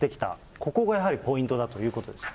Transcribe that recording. ここがやはりポイントだということですか。